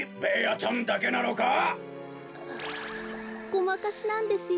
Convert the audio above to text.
「ごまかし」なんですよ。